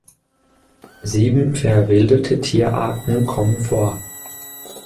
Sieben verwilderte Tierarten kommen vor.